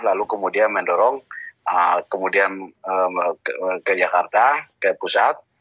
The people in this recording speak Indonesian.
lalu kemudian mendorong kemudian ke jakarta ke pusat